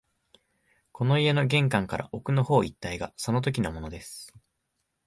この家の玄関から奥の方一帯がそのときのものです